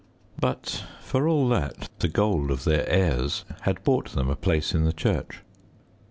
But for all that, the gold of their heirs had bought them a place in the church.